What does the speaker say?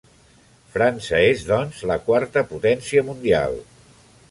França és, doncs, la quarta potència mundial.